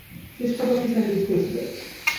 শেষ কবে আপনি স্যান্ডউইচ খেয়েছিলেন?